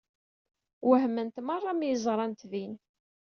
Wehment merra mi yi-ẓrant din.